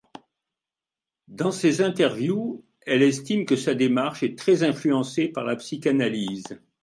Dans ses interviews, elle estime que sa démarche est très influencée par la psychanalyse.